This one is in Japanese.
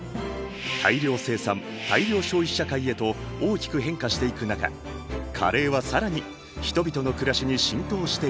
大量生産大量消費社会へと大きく変化していく中カレーは更に人々の暮らしに浸透していった。